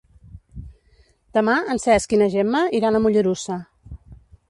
Demà en Cesc i na Gemma iran a Mollerussa.